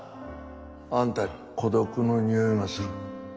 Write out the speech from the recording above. あんた孤独のにおいがする。